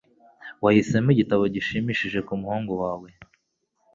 Wahisemo igitabo gishimishije kumuhungu wawe?